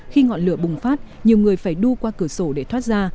khi ngọn lửa bùng phát nhiều người phải đu qua cửa sổ để thoát ra